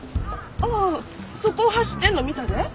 ああそこを走ってんの見たで。